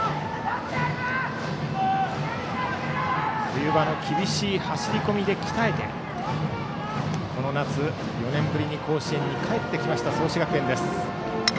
冬場の厳しい走り込みで鍛えてこの夏４年ぶりに甲子園に帰ってきました、創志学園。